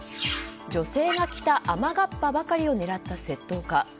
女性が着た雨がっぱばかりを狙った窃盗か。